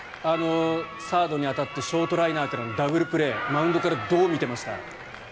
サードに当たってショートライナーのダブルプレーマウンドからどう見ていました？